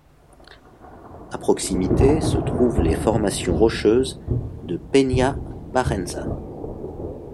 À proximité se trouvent les formations rocheuses de Peña Bajenza.